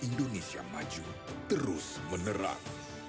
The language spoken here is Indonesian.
indonesia maju terus menerang